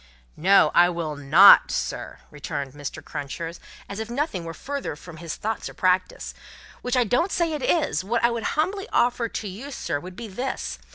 "No, I will not, sir," returned Mr. Crunches as if nothing were further from his thoughts or practice "which I don't say it is wot I would humbly offer to you, sir, would be this.